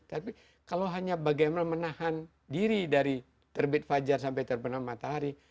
tapi kalau hanya bagaimana menahan diri dari terbit fajar sampai terbenam matahari